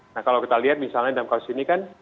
nah kalau kita lihat misalnya dalam kasus ini kan